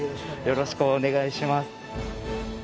よろしくお願いします。